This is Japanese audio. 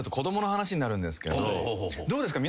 どうですか？